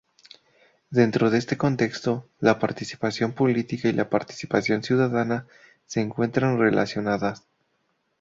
Dentro de este contexto, la participación política y la participación ciudadana se encuentran relacionadas.